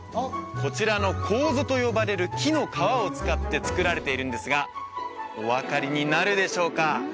こちらの楮と呼ばれる木の皮を使って作られているんですがお分かりになるでしょうか？